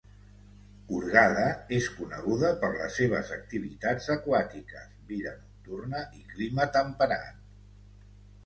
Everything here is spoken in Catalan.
Hurghada és coneguda per les seves activitats aquàtiques, vida nocturna i clima temperat.